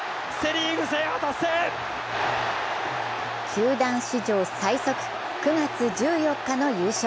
球団史上最速、９月１４日の優勝。